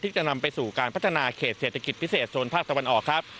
จะนำไปสู่การพัฒนาเขตเศรษฐกิจพิเศษโซนภาคตะวันออกครับ